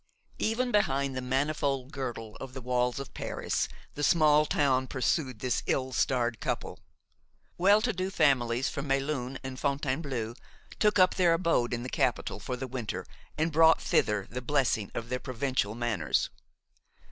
Even behind the manifold girdle of the walls of Paris the small town pursued this ill starred couple. Well to do families from Melun and Fontainebleau took up their abode in the capital for the winter and brought thither the blessing of their provincial manners.